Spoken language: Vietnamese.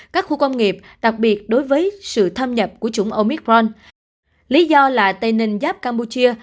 các khu công nghiệp đặc biệt đối với sự thâm nhập của chủng omicron lý do là tây ninh giáp campuchia